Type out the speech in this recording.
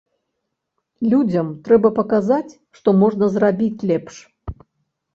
Людзям трэба паказаць, што можна зрабіць лепш.